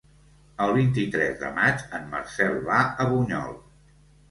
El vint-i-tres de maig en Marcel va a Bunyol.